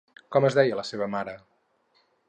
Com es deia la seva mare?